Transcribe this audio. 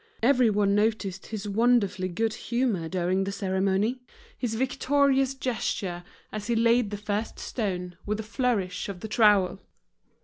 Everyone noticed his wonderfully good humor during the ceremony, his victorious gesture as he laid the first stone, with a flourish of the trowel.